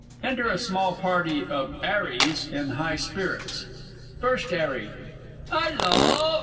"] Enter a small party of 'Arries in high spirits. FIRST 'ARRY. 'Ullo!